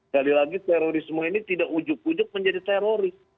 kali lagi terorisme ini tidak ujuk ujuk menjadi teroris